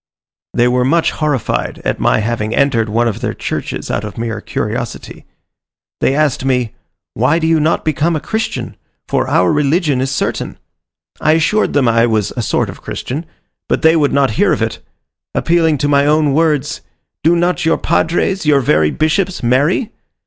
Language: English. They were much horrified at my having entered one of their churches out of mere curiosity. They asked me, "Why do you not become a Christian for our religion is certain?" I assured them I was a sort of Christian; but they would not hear of it appealing to my own words, "Do not your padres, your very bishops, marry?"